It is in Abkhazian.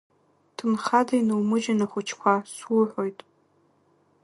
Ҭынхада инумыжьын ахәыҷқәа, суҳәоит!